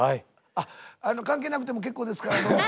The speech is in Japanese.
あっ関係なくても結構ですから。